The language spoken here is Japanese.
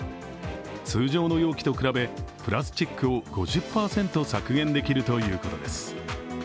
通常の容器と比べプラスチックを５０％削減できるということです。